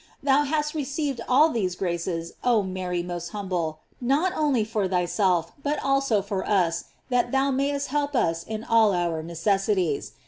Thou hast received all these graces, oh Mary most humble, not only for thyself, but also for us, that thou mayest help us in all our ne^ cessities.